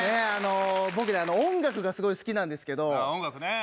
僕ね、音楽がすごい好きなん音楽ね。